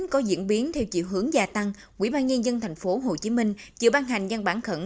có diễn biến theo chiều hướng gia tăng quỹ ban nhân dân tp hcm vừa ban hành gian bản khẩn